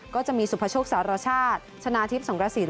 ก็จะมีสุภโชคสารชาติชนะทิพย์สงกระสิน